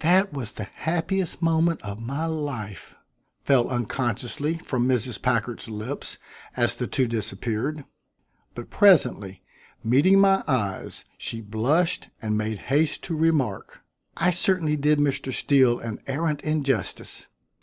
"That was the happiest moment of my life!" fell unconsciously from Mrs. Packard's lips as the two disappeared; but presently, meeting my eyes, she blushed and made haste to remark: "I certainly did Mr. Steele an arrant injustice.